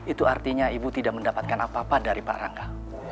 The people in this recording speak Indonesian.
itu artinya ibu tidak mendapatkan apa apa dari pak rangga